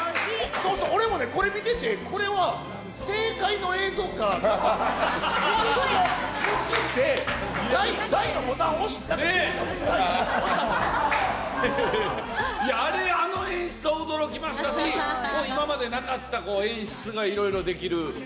そうそう、俺もこれ見てて、これは正解の映像か、あれ、あの演出は驚きましたし、今までなかった演出がいろいろできる。